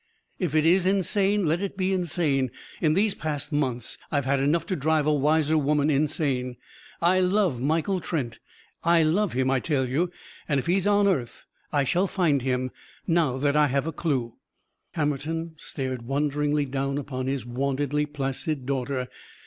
If it is insane, let it be insane. In these past months I have had enough to drive a wiser woman insane. I love Michael Trent. I love him, I tell you! And if he is on earth I shall find him, now that I have a clue." Hammerton stared wonderingly down upon his wontedly placid daughter.